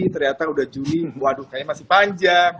ternyata udah juli waduh kayaknya masih panjang